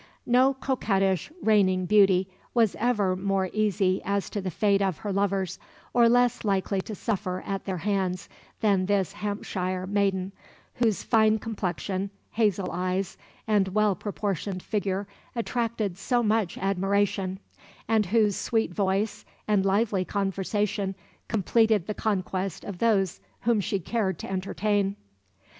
No coquettish "reigning beauty" was ever more easy as to the fate of her lovers, or less likely to suffer at their hands, than this Hampshire maiden, whose fine complexion, hazel eyes, and well proportioned figure attracted so much admiration, and whose sweet voice and lively conversation completed the conquest of those whom she cared to entertain.